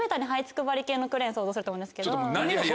系のクレーン想像すると思うんですけど。